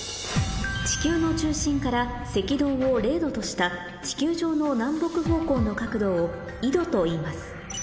地球の中心から赤道を０度とした地球上の南北方向の角度を緯度といいます